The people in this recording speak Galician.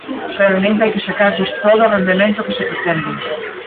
Realmente hai que sacarlles todo o rendemento que se pretende.